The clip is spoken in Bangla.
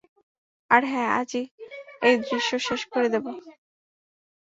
আর হ্যাঁ, আজই এই দৃশ্য শেষ করে দেবে।